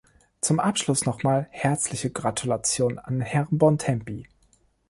Zum Abschluss nochmals herzliche Gratulation an Herrn Bontempi!